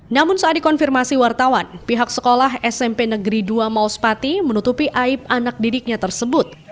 namun saat dikonfirmasi wartawan pihak sekolah smp negeri dua mauspati menutupi aib anak didiknya tersebut